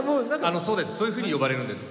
そういうふうに呼ばれるんです。